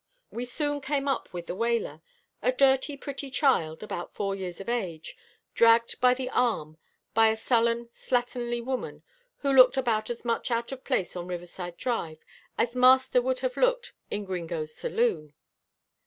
We soon came up with the wailer a dirty, pretty child about four years of age, dragged by the arm by a sullen, slatternly woman who looked about as much out of place on Riverside Drive as master would have looked in Gringo's saloon.